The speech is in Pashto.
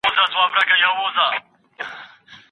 ماشومان تر لويانو ډېرې پوښتني کوي.